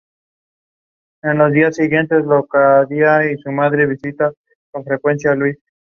Pronto surgieron guerrillas, como rebeldes o centralistas.